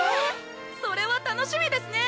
それは楽しみですね！